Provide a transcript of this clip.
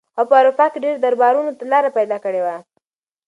هغه په اروپا کې ډېرو دربارونو ته لاره پیدا کړې وه.